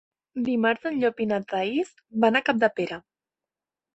Dimarts en Llop i na Thaís van a Capdepera.